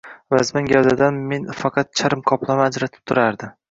Vazmin gavdadan meni faqat charm qoplama ajratib turardi